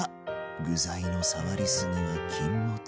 具材の触りすぎは禁物。